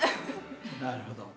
なるほど。